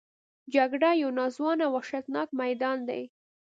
جګړه یو ناځوانه او وحشتناک میدان دی